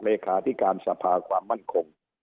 เลขาธิการสภาความมั่นคง